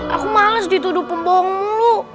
aku males dituduh pembohong mulu